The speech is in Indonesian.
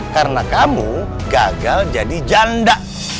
karena kamu gagal jadi janda